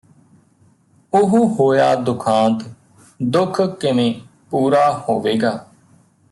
ਉਹ ਹੋਇਆਂ ਦੁਖਾਂਤ ਦੁੱਖ ਕਿਵੇਂ ਪੂਰਾਂ ਹੋਵੇਗਾ